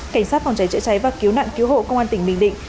cảnh sát phòng cháy chữa cháy và cứu nạn cứu hộ công an tỉnh bình định